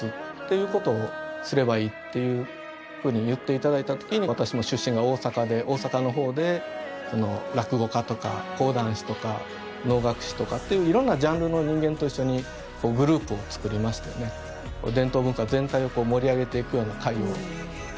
いうことをすればいいっていうふうに言っていただいた時に私も出身が大阪で大阪のほうで落語家とか講談師とか能楽師とかっていういろんなジャンルの人間と一緒にグループをつくりましてね。と思うので。